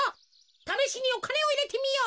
ためしにおかねをいれてみよう。